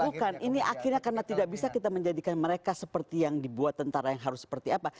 bukan ini akhirnya karena tidak bisa kita menjadikan mereka seperti yang dibuat tentara yang harus seperti apa